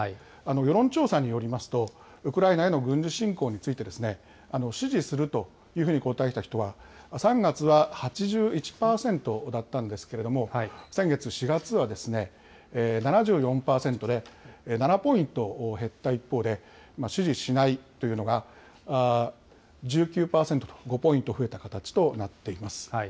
世論調査によりますと、ウクライナへの軍事侵攻について、支持するというふうに答えた人は、３月は８１％だったんですけれども、先月・４月は７４％で、７ポイント減った一方で、支持しないというのが１９％と、５ポイント増えた形となっています。